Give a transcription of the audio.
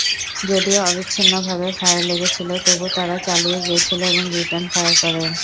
যদিও অবিচ্ছিন্নভাবে ফায়ার লেগেছিল, তবুও তাড়া চালিয়ে গিয়েছিল এবং রিটার্ন ফায়ার করেন।